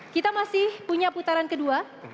kita masih punya putaran kedua